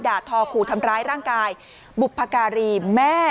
ทอขู่ทำร้ายร่างกายบุพการีแม่